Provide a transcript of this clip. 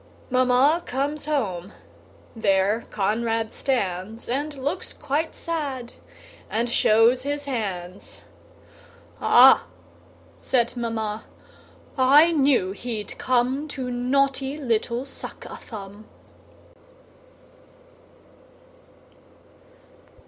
Mamma comes home: there Conrad stands, And looks quite sad, and shows his hands; "Ah!" said Mamma, "I knew he'd come To naughty little Suck a Thumb."